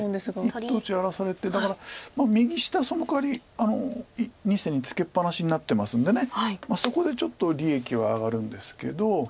一等地荒らされてだから右下そのかわり２線にツケっぱなしになってますんでそこでちょっと利益は上がるんですけど。